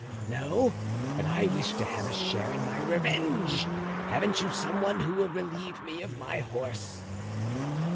"No, but I wish to have a share in my revenge. Haven't you some one who will relieve me of my horse?"